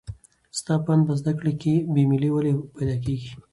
ستا په اند په زده کړه کې بې میلي ولې پیدا کېږي؟